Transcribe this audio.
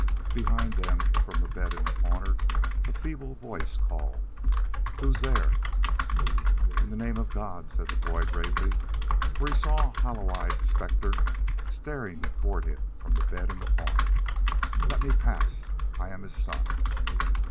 Behind them, from the bed in the corner, a feeble voice called: "Who's there?" "In the name of God," said the boy gravely, for he saw a hollow eyed specter staring toward him from the bed in the corner, "let me pass! I am his son!"